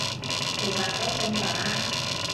其實都正常吖